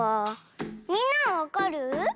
みんなはわかる？